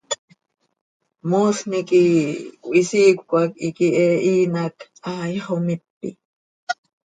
Moosni quih cöhisiicö hac iiqui he ihiin hac haai xommipi.